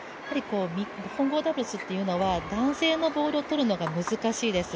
混合ダブルスっていうのは男性のボールを取るのが難しいです。